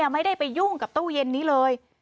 ไม่ได้ไปยุ่งกับตู้เย็นนี้เลย